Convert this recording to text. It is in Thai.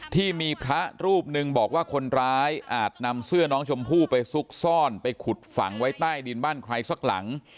ที่มีพระรูปหนึ่งบอกว่าคนร้ายอาจนำเสื้อน้องชมพู่ไปซุกซ่อนไปขุดฝังไว้ใต้ดินบ้านใครสักหลัง